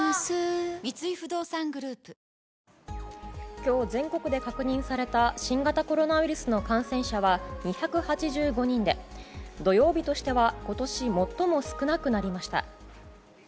今日、全国で確認された新型コロナウイルスの感染者は２８５人で土曜日としては今年最も少なくなりました。